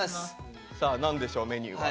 さあ何でしょうメニューは。